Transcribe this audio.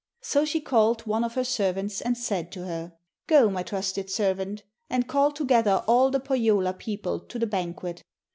So she called one of her servants and said to her: 'Go, my trusted servant, and call together all the Pohjola people to the banquet.